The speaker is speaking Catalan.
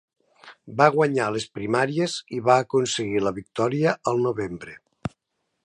Va guanyar les primàries i va aconseguir la victòria al novembre.